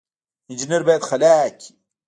انجنیر باید خلاق وي